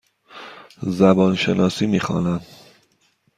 زبان شناسی می خوانم.